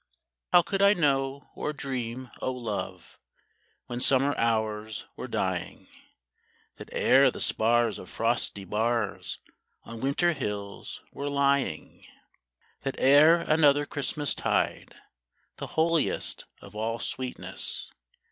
How could I know or dream, O love. When summer hours were dying. That ere the spars of frosty bars On winter hills were lying, — That ere another Christmastide The holiest of all sweetness.